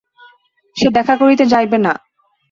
সে দেখা করিতে যাইবে না।